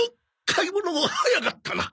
買い物早かったな。